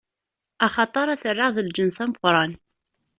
Axaṭer ad t-rreɣ d lǧens ameqran.